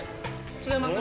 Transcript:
違います？